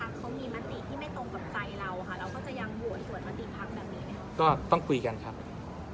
ถ้าหลังจากนี้พรรคเขามีมันติที่ไม่ตรงกับใจเราค่ะเราก็จะยังหวนหวนมันติพรรคแบบนี้ไหม